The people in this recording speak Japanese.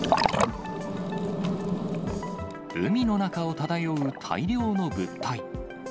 海の中を漂う大量の物体。